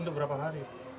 untuk berapa hari